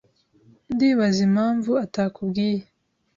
Ndibaza impamvu atakubwiye.